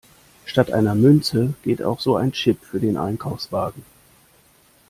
Statt einer Münze geht auch so ein Chip für den Einkaufswagen.